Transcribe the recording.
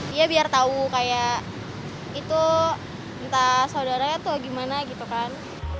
dia biar tahu kayak itu entah saudaranya tuh gimana gitu kan